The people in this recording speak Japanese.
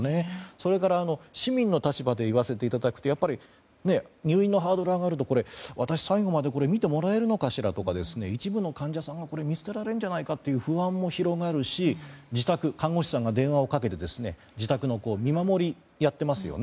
それから、市民の立場で言わせていただくと、やっぱり入院のハードルが上がると私、最後まで診てもらえるのかしらとか一部の患者さんは見捨てられるんじゃないかという不安も広がるし看護師さんが電話をかけて自宅の見守りをやってますよね。